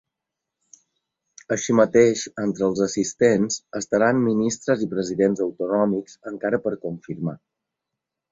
Així mateix, entre els assistents estaran ministres i presidents autonòmics encara per confirmar.